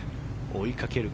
追いかける